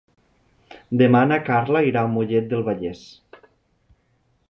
Demà na Carla irà a Mollet del Vallès.